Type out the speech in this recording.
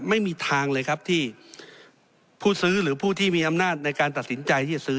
ไม่มีทางเลยครับที่ผู้ซื้อหรือผู้ที่มีอำนาจในการตัดสินใจที่จะซื้อ